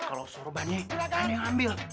kalau sorbannya kan yang ambil